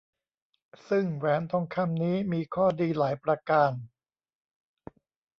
ซึ่งแหวนทองคำนี้มีข้อดีหลายประการ